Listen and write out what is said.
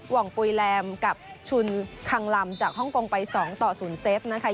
่องปุ๋ยแลมกับชุนคังลำจากฮ่องกงไป๒ต่อ๐เซตนะคะ